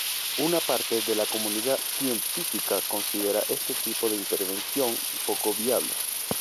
Una parte de la comunidad científica considera este tipo de intervención poco viable.